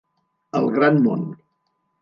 El gran món.